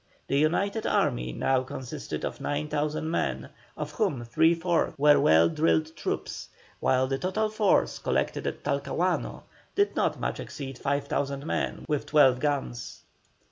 The united army now consisted of 9,000 men, of whom three fourths were well drilled troops, while the total force collected at Talcahuano did not much exceed 5,000 men with twelve guns.